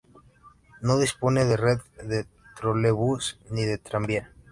No dispone de red de trolebús ni de tranvía.